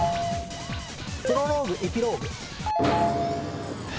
プロローグエピローグ。